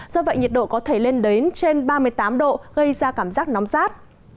do vậy nhiệt độ có thể lên đến trên ba mươi tám độ gây ra cảm giác nóng rát